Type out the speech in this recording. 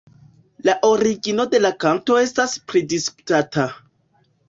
La origino de la kanto estas pridisputata.